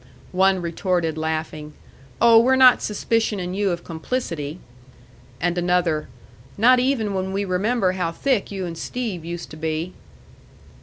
One retorted, laughing, "Oh, we're not suspicioning you of complicity." And another, "Not even when we remember how thick you and Steve used to be."